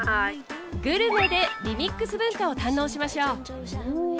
グルメでリミックス文化を堪能しましょう。